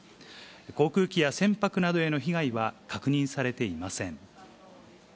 航空機や船舶などへの被害は確認されていません。